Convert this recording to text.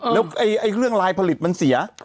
แล้วเครื่องลายผลิตมันเสีย